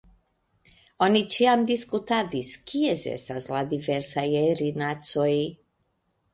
Oni ĉiam diskutadis, kies estas la diversaj erinacoj.